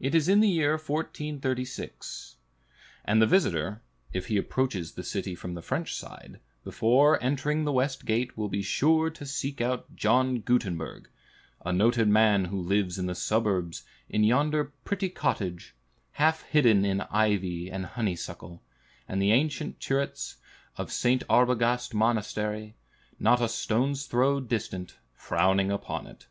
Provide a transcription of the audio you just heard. It is in the year 1436; and the visitor, if he approaches the city from the French side, before entering the west gate will be sure to seek out John Gutenberg, a noted man who lives in the suburbs in yonder pretty cottage, half hidden in ivy and honeysuckle, and the ancient turrets of St. Arbogast Monastery, not a stone's throw distant, frowning upon it.